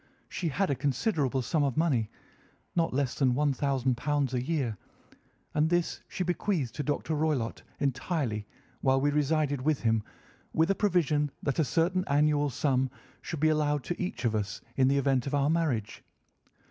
She had a considerable sum of money—not less than £ 1000 a year—and this she bequeathed to Dr. Roylott entirely while we resided with him, with a provision that a certain annual sum should be allowed to each of us in the event of our marriage.